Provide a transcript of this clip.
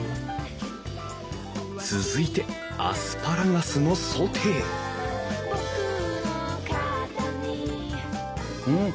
続いてアスパラガスのソテーうん！